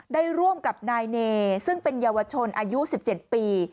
ได้ร่วมกับนายเนซึ่งเป็นเยาวชนอายุ๑๗ปี